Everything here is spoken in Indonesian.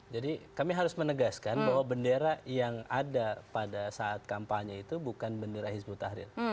jadi kami harus menegaskan bahwa bendera yang ada pada saat kampanye itu bukan bendera hizbut tahrir